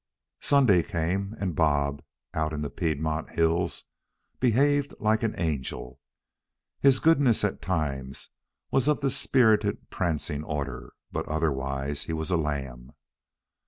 Sunday came, and Bob, out in the Piedmont hills, behaved like an angel. His goodness, at times, was of the spirited prancing order, but otherwise he was a lamb.